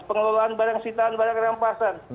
pengelolaan barang sitaan barang rampasan